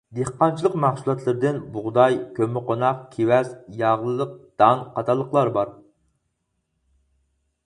دېھقانچىلىق مەھسۇلاتلىرىدىن بۇغداي، كۆممىقوناق، كېۋەز، ياغلىق دان قاتارلىقلار بار.